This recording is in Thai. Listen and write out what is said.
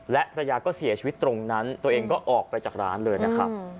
และภรรยาก็เสียชีวิตตรงนั้นตัวเองก็ออกไปจากร้านเลยนะครับ